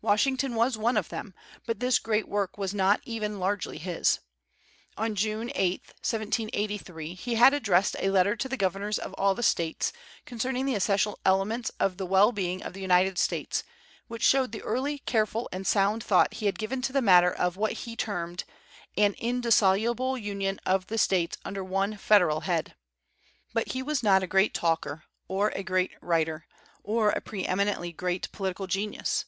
Washington was one of them, but this great work was not even largely his. On June 8, 1783, he had addressed a letter to the governors of all the States, concerning the essential elements of the well being of the United States, which showed the early, careful, and sound thought he had given to the matter of what he termed "an indissoluable union of the States under one Federal head." But he was not a great talker, or a great writer, or a pre eminently great political genius.